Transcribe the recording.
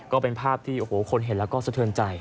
ก็เป็นภาพที่โอ้โหคนเห็นแล้วก็สะเทินใจ